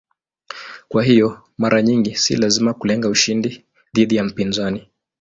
Kwa hiyo mara nyingi si lazima kulenga ushindi dhidi ya mpinzani.